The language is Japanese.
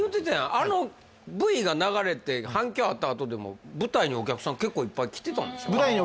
あのＶが流れて反響あったあとでも舞台にお客さん結構いっぱい来てたんでしょそうです